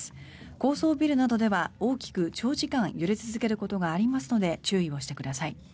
高層ビルなどでは大きく長時間揺れ続けることがありますので注意をしてください。